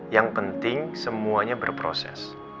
yang penting semuanya berproses